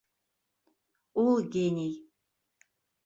Ул — гений.